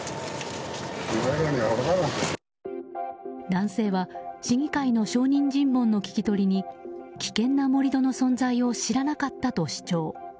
男性は市議会の証人尋問の聞き取りに危険な盛り土の存在を知らなかったと主張。